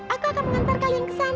aku akan mengantar kalian ke sana